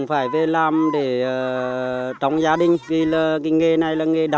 không khỏe nha làm